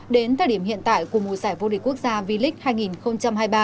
đến thời điểm hiện tại của mùa giải vô địch quốc gia v league hai nghìn hai mươi ba